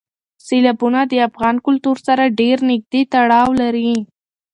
سیلابونه د افغان کلتور سره ډېر نږدې تړاو لري.